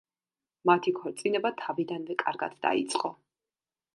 მათი ქორწინება თავიდანვე კარგად დაიწყო.